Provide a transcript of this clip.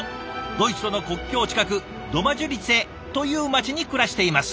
ドイツとの国境近くドマジュリツェという街に暮らしています。